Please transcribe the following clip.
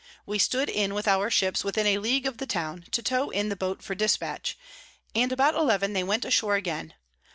We stood in with our Ships within a League of the Town, to tow in the Boat for Dispatch, and about eleven they went ashore again.